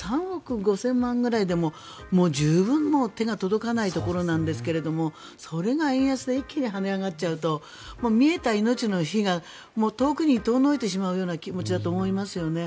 ３億５０００万ぐらいで十分手が届かないところなんですがそれが円安で一気に跳ね上がっちゃうと見えた命の火が遠くに遠のいてしまうような気持ちだと思いますよね。